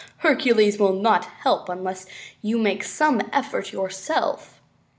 Hercules will not help unless you make some effort to help yourself."